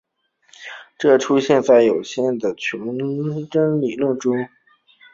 这出现在有限群的特征理论中。